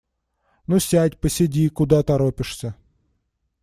Ну, сядь, посиди, куда торопишься?